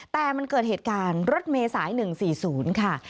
แต่มันเกิดเหตุการณ์รถเมษาย๑๔๐ค่ะ